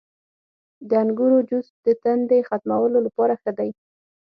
• د انګورو جوس د تندې ختمولو لپاره ښه دی.